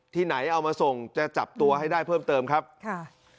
ที่ไหนเอามาส่งจะจับตัวให้ได้เพิ่มเติมครับค่ะ